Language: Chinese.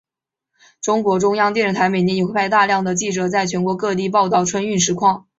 中国中央电视台每年也会派出大量记者在全国各地报道春运实况。